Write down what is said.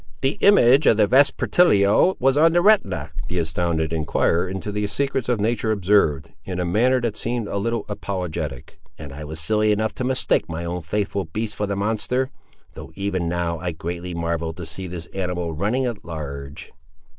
"The image of the Vespertilio was on the retina," the astounded enquirer into the secrets of nature observed, in a manner that seemed a little apologetic, "and I was silly enough to mistake my own faithful beast for the monster. Though even now I greatly marvel to see this animal running at large!"